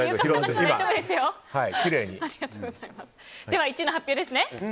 では１位の発表ですね。